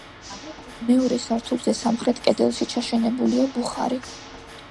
მეორე სართულზე, სამხრეთ კედელში ჩაშენებულია ბუხარი.